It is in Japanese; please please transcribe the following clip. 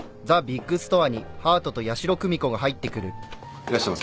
いらっしゃいませ。